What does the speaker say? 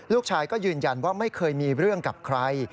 ลูกชายก็ยืนยันว่าไม่เคยมีเรื่องกับใคร